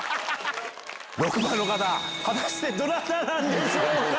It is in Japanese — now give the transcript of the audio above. ６番の方果たしてどなたなんでしょうか？